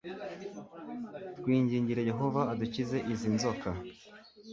twingingire yehova adukize izi nzoka